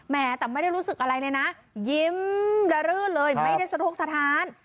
แต่ไม่ได้รู้สึกอะไรเลยนะยิ้มระรื่นเลยไม่ได้สะทกสถาน